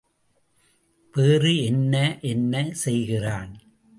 வேறு என்ன என்ன செய்கிறான்?